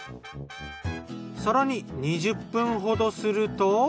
更に２０分ほどすると。